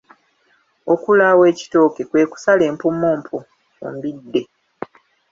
Okulaawa ekitooke kwe kusala empummumpu ku mbidde.